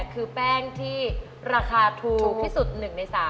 คือแป้งที่ราคาถูกที่สุด๑ใน๓